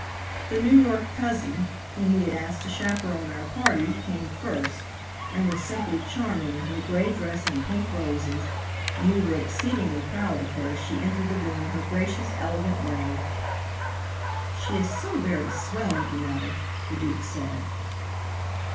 The New York cousin, whom we had asked to chaperone our party, came first, and was simply charming in her gray dress and pink roses, and we were exceedingly proud of her as she entered the room in her gracious, elegant way. "She is so very swell, you know," the Duke said.